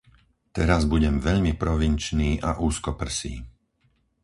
Teraz budem veľmi provinčný a úzkoprsý.